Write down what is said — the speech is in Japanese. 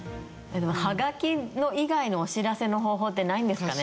でもハガキ以外のお知らせの方法ってないんですかね。